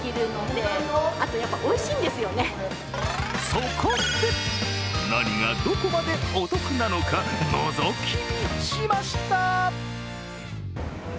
そこで、何がどこまでお得なのかのぞき見しました！